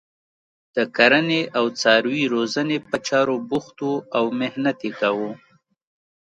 د کرنې او څاروي روزنې په چارو بوخت وو او محنت یې کاوه.